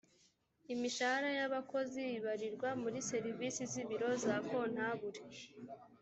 imishahara y’ abakozi ibarirwa muri serivisi z’ ibiro za kontabule